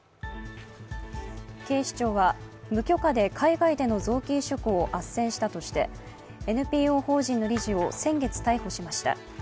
警視庁は無許可で海外での臓器移植をあっせんしたとしてＮＰＯ法人の理事を先月逮捕しました。